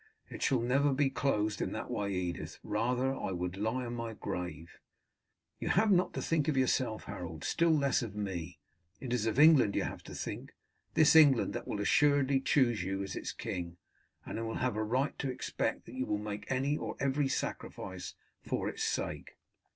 "It shall never be closed in that way, Edith; rather would I lie in my grave." "You have not to think of yourself, Harold, still less of me. It is of England you have to think this England that will assuredly choose you as its king, and who will have a right to expect that you will make any or every sacrifice for its sake."